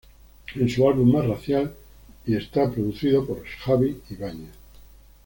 Es su álbum más racial y está producido por Xabi Ibáñez.